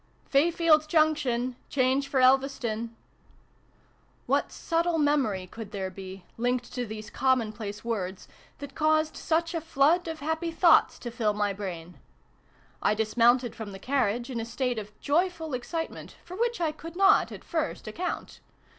" FAYFIELD Junction ! Change for Elveston!" What subtle memory could there be, linked to these commonplace words, that caused such a flood of happy thoughts to fill my brain ? I dismounted from the carriage in a state of joyful excitement for which I could not at first account.